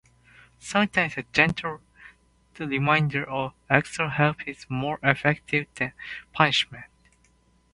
Sometimes, a gentle reminder or extra help is more effective than punishment.